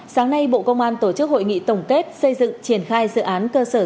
sáng nay bộ công an tổ chức hội nghị tổng kết xây dựng triển khai dự án cơ sở